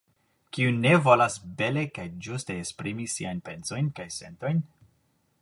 Kiu ne volas bele kaj ĝuste esprimi siajn pensojn kaj sentojn?